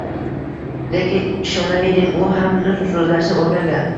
Lekin ishonavering, u ham nutq so’zlashni o’rgangan.